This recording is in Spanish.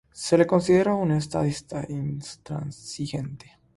Se le consideró un estadista intransigente.